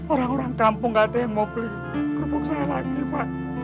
orang orang kampung gak ada yang mau beli kerupuk saya lagi pak